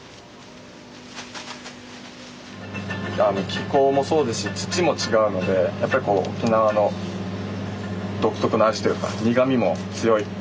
気候もそうですし土も違うのでやっぱりこう沖縄の独特の味というか苦みも強い。